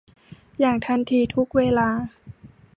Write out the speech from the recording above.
อย่างทันที ทุกเวลา